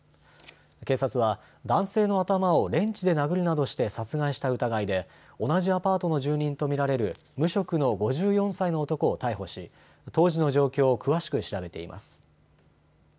警察は男性の頭をレンチで殴るなどして殺害した疑いで同じアパートの住人と見られる無職の５４歳の男を逮捕し当時の状況を詳しく調べています。